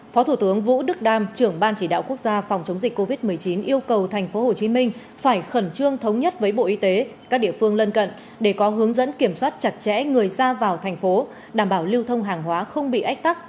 phó thủ tướng vũ đức đam trưởng ban chỉ đạo quốc gia phòng chống dịch covid một mươi chín yêu cầu tp hcm phải khẩn trương thống nhất với bộ y tế các địa phương lân cận để có hướng dẫn kiểm soát chặt chẽ người ra vào thành phố đảm bảo lưu thông hàng hóa không bị ách tắc